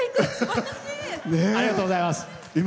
ありがとうございます。